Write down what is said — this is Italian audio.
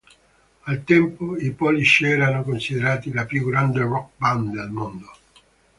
Al tempo i Police erano considerati la più grande rock band del mondo.